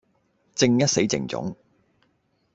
正一死剩種